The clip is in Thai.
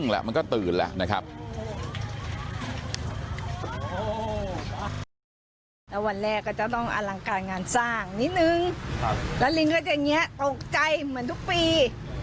แล้วยังลิงลิงก็จะเงี๊ยะโต๊ะใจเหมือนทุกปี